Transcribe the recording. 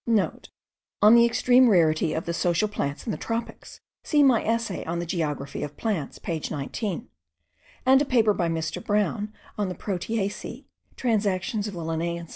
*(* On the extreme rarity of the social plants in the tropics, see my Essay on the Geog. of Plants page 19; and a paper by Mr. Brown on the Proteacea, Transactions of the Lin.